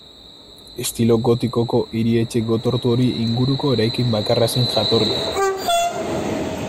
Estilo gotikoko hiri-etxe gotortu hori inguruko eraikin bakarra zen jatorrian.